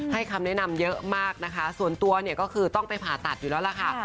คำแนะนำเยอะมากนะคะส่วนตัวเนี่ยก็คือต้องไปผ่าตัดอยู่แล้วล่ะค่ะ